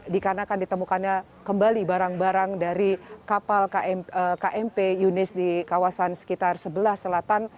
dikarenakan ditemukannya kembali barang barang dari kapal kmp yunis di kawasan sekitar sebelah selatan